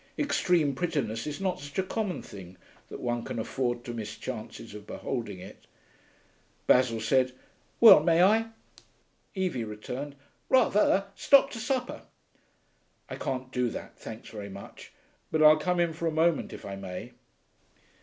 Extreme prettiness is not such a common thing that one can afford to miss chances of beholding it. Basil said, 'Well, may I?' Evie returned, 'Rather. Stop to supper.' 'I can't do that, thanks very much. But I'll come in for a moment, if I may.'